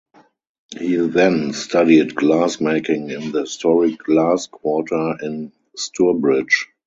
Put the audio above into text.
He then studied glassmaking in the Historic Glass Quarter in Stourbridge.